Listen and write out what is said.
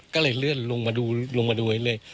ก็เลยเลื่อนลงมาดูลงมาดูไว้เลย